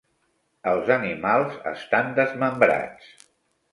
Els animals estan desmembrats.